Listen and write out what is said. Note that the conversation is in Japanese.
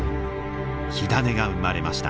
火種が生まれました。